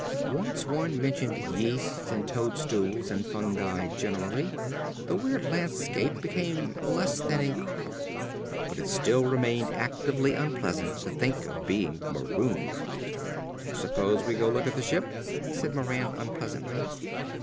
Once one mentioned yeasts and toadstools and fungi generally, the weird landscape became less than incredible. But it remained actively unpleasant to think of being marooned on it. "Suppose we go look at the ship?" said Moran unpleasantly.